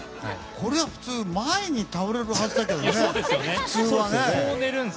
普通、これは前に倒れるはずだけどね。